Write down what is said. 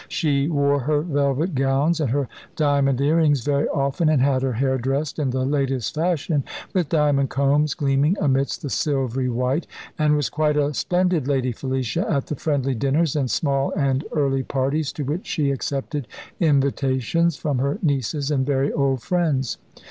She wore her velvet gowns and her diamond earrings very often, and had her hair dressed in the latest fashion, with diamond combs gleaming amidst the silvery white, and was quite a splendid Lady Felicia at the friendly dinners and small and early parties to which she accepted invitations from her nieces and very old friends.